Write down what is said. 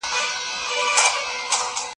که زده کوونکی تجربه ترلاسه کړي دا تعليم دی.